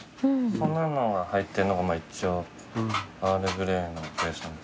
そんなのが入ってるのが一応アールグレイの。